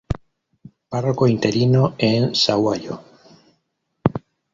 Párroco interino en Sahuayo.